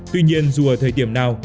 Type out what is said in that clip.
tuy nhiên dù ở thời điểm nào